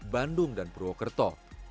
bandung dan purwokerto